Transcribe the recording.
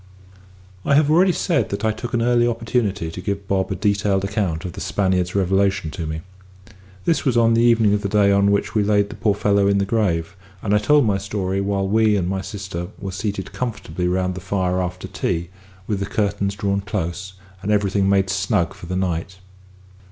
I have already said that I took an early opportunity to give Bob a detailed account of the Spaniard's revelation to me. This was on the evening of the day on which we laid the poor fellow in his grave; and I told my story while we and my sister were seated comfortably round the fire after tea, with the curtains drawn close, and everything made snug for the night.